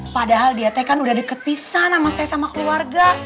padahal dia teh kan udah deket pisa nama saya sama keluarga